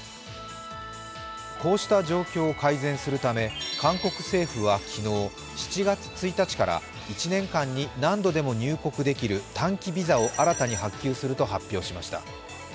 こうした状況を改善するため韓国政府は昨日、７月１日から１年間に何度でも入国できる短期ビザを新たに発給すると発表しました。